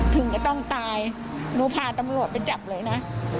ถึงก็ต้องตายหนูพาตำรวจไปจับเลยนะ